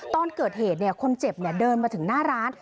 ตอนเกิดเหตุคนเจ็บเดินมาถึงหน้าร้าน